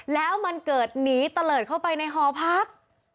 แล้วมันเกิดหนีตะเลิศเข้าไปในหอพัก